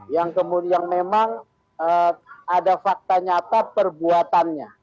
yang kemudian memang ada fakta nyata perbuatannya